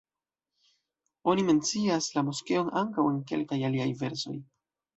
Oni mencias la moskeon ankaŭ en kelkaj aliaj versoj.